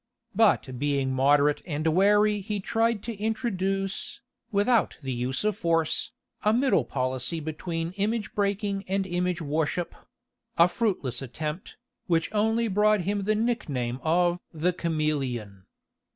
But being moderate and wary he tried to introduce, without the use of force, a middle policy between image breaking and image worship—a fruitless attempt, which only brought him the nickname of "the Chameleon."